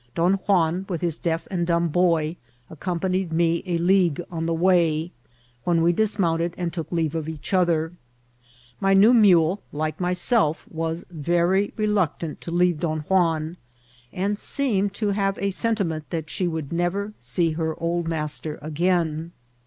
Don Juan, with his deaf and dumb boy, accompanied me a league on the way, when we dismounted and took leave of each other. My new mule, like myself, was very reluctant to leave Don Juan, and seemed to have a sentiment that she should never see her old master Vol. I.— 3 C 33 INCIDBKT8 OF TBATBL. again.